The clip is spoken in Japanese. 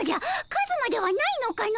カズマではないのかの！